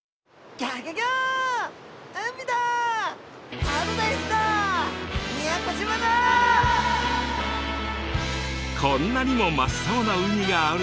こんなにも真っ青な海があるなんて！